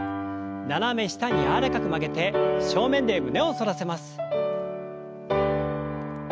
斜め下に柔らかく曲げて正面で胸を反らせます。